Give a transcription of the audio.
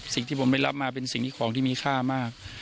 สิ่งที่ผมไปรับมาเป็นสิ่งที่ของที่มีค่ามาก